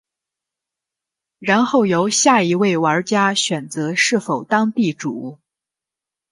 然后由下一位玩家选择是否当地主。